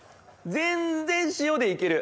全然塩でいける！